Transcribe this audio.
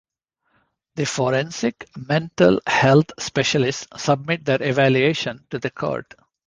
The forensic mental health specialists submit their evaluations to the court.